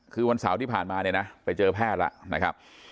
คือวันเสาร์ที่ผ่านมาไปเจอแพทย์แล้ว